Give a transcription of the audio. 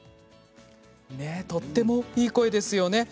とてもいい声ですよね。